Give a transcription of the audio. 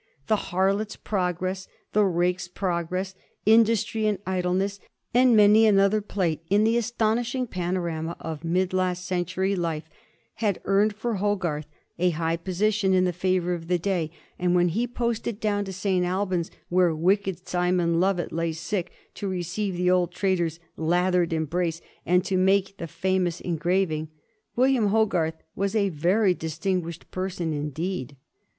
" The Harlot^s Progress," " The Rake's Progress," "Industry and Idleness," and many an other plate in the astonishing panorama of mid last cen tuiy life, had earned for Hogarth a high position in the favor of the day; and when he posted down to St. Albans, where wicked Simon Lovat lay sick, to receive the old traitor's lathered embrace and to make the famous engrav ing, William Hogarth was a very distinguished person in deed.